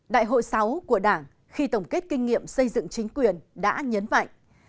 đại hội sáu của đảng khi tổng kết kinh nghiệm xây dựng chính quyền đã nhấn mạnh